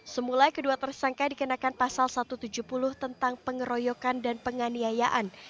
semula kedua tersangka dikenakan pasal satu ratus tujuh puluh tentang pengeroyokan dan penganiayaan